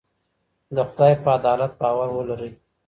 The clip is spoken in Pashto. د خدای په عدالت باور ولرئ.